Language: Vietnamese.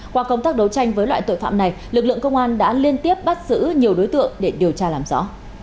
qua công tác đấu tranh với loại tội phạm này lực lượng công an đã liên tiếp bắt giữ nhiều đối tượng để điều tra làm rõ